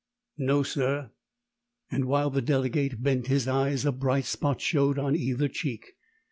"No, sir;" and while the delegate bent his eyes a bright spot showed on either cheek.